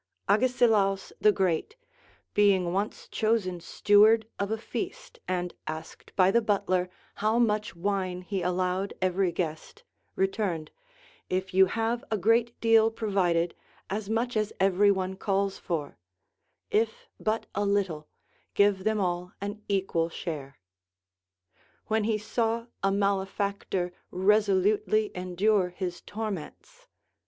Agesilaus the Great, being once chosen steward of a feast, and asked by the butler how much wine he allowed every guest, returned : If you have a great deal provided, as much as every one calls for ; if but a little, give them all an equal share. When he saw a malefactor resolutely endure his torments.